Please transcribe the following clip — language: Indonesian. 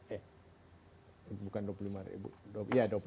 eh bukan dua puluh lima ribu